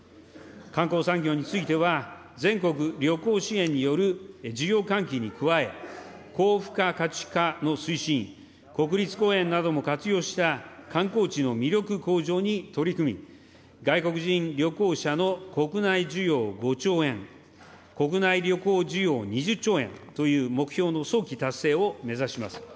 観光産業については、全国旅行支援による需要喚起に加え、高付加価値化の推進、国立公園なども活用した観光地の魅力向上に取り組み、外国人旅行者の国内需要５兆円、国内旅行需要２０兆円という目標の早期達成を目指します。